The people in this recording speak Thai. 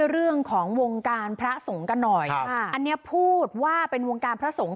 เรื่องของวงการพระสงฆ์กันหน่อยอันนี้พูดว่าเป็นวงการพระสงฆ์